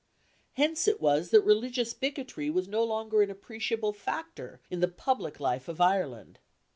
Hence it was that religious bigotry was no longer an appreciable factor in the public life of Ireland.